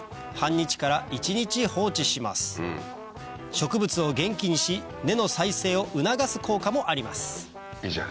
植物を元気にし根の再生を促す効果もあります